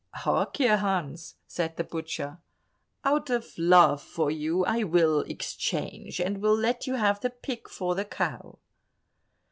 "Hark ye, Hans," said the butcher, "out of love for you I will exchange, and will let you have the pig for the cow."